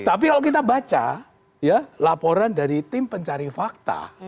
tapi kalau kita baca ya laporan dari tim pencari fakta